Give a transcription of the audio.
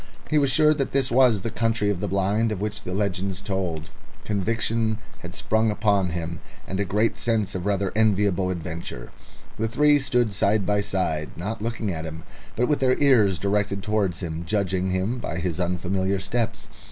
He was sure that this was the Country of the Blind of which the legends told. Conviction had sprung upon him, and a sense of great and rather enviable adventure. The three stood side by side, not looking at him, but with their ears directed towards him, judging him by his unfamiliar steps.